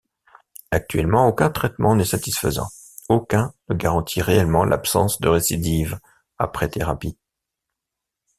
Actuellement, aucun traitement n'est satisfaisant, aucun ne garantit réellement l'absence de récidive après thérapie.